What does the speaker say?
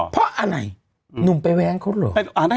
เพราะอะไรหนุ่มไปแว้งเขาเหรอ